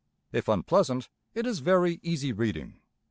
If unpleasant, it is very easy reading.